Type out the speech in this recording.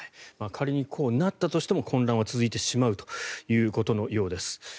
仮にこうなったとしても混乱は続いてしまうということのようです。